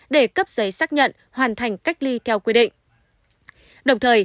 để cấp giấy xác nhận hoàn thành cách ly theo quy định